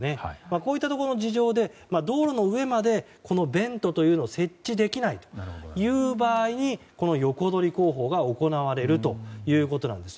こういったところの事情で道路の上までベントというのを設置できないという場合にこの横取り工法が行われるということです。